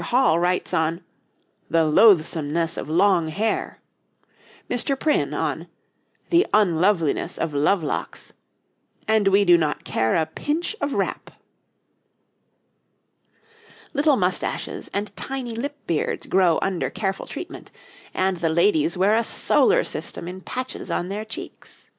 Hall writes on 'The Loathsomeness of Long Hair,' Mr. Prynne on 'The Unloveliness of Lovelocks,' and we do not care a pinch of rappe. Little moustaches and tiny lip beards grow under careful treatment, and the ladies wear a solar system in patches on their cheeks.